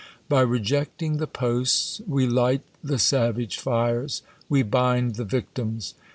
By rejecting the posts, we light the savage fires; we bind the victims.